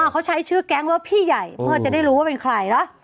เขาใช้ชื่อแก๊งว่าพี่ใหญ่พ่อจะได้รู้ว่าเป็นใครนะ